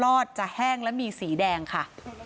อดจะแห้งและมีสีแดงค่ะ